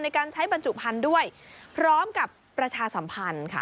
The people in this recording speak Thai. ในการใช้บรรจุพันธุ์ด้วยพร้อมกับประชาสัมพันธ์ค่ะ